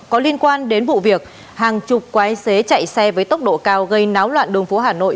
có liên quan đến vụ việc hàng chục quái xế chạy xe với tốc độ cao gây náo loạn đường phố hà nội